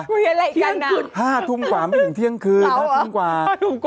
อะไรกันอ่ะ๕ทุ่มกว่าไม่ถึงเที่ยงคืน๕ทุ่มกว่า